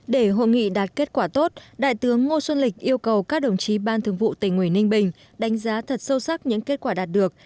để hội nghị đạt kết quả tốt đại tướng ngô xuân lịch yêu cầu các đồng chí ban thường vụ tỉnh nguyễn ninh bình đánh giá thật sâu sắc những kết quả đạt được